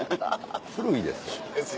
古いです。